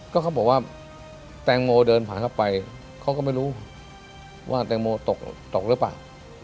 ก็เขาบอกว่าแตงโมเดินผ่านเข้าไปเขาก็ไม่รู้ว่าแตงโมตกตกหรือเปล่า